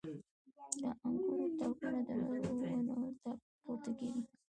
• د انګورو تاکونه د نورو ونو ته پورته کېږي.